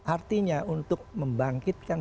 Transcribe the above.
artinya untuk membangkitkan